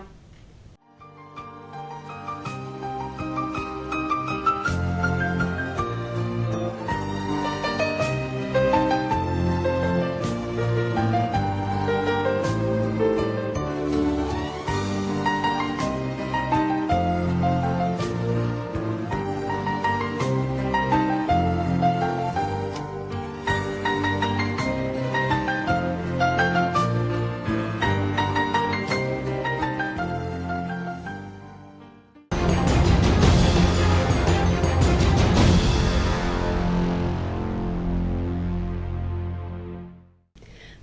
chương trình tp hcm